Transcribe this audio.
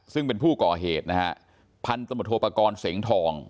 ซึ่งเป็นผู้ก่อเหตุนะฮะพันธมตโทปกรณ์เสงทอง